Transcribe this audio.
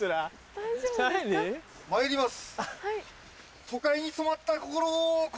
まいります。